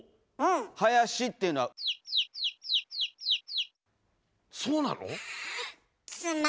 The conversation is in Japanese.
林っていうのはそうなの？